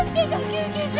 救急車！